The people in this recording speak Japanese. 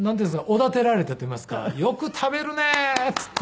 おだてられてといいますか「よく食べるねー！」って言って。